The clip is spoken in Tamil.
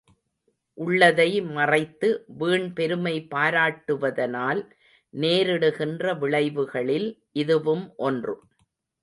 உள்ளதை மறைத்து வீண் பெருமை பாராட்டுவதனால் நேரிடுகின்ற விளைவுகளில் இதுவும் ஒன்று.